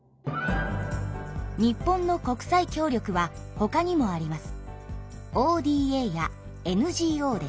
日本の国際協力はほかにもあります。